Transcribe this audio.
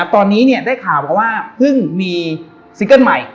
ตอนนี้ได้ข่าวมาว่าเพิ่งมีซิงเกิ้ลใหม่